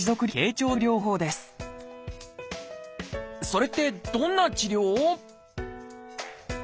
それってどんな治療？